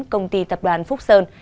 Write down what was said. công ty tập đoàn phúc sơn